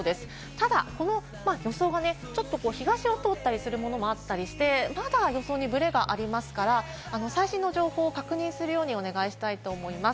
ただちょっと東を通ったりするものもあったりして、まだ予想にぶれがありますから最新の情報を確認するようにお願いしたいと思います。